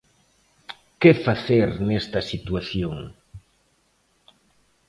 Que facer nesta situación?